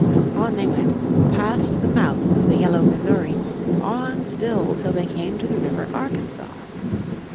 On they went, past the mouth of the yellow Missouri, on still till they came to the river Arkansas.